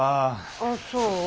あっそう。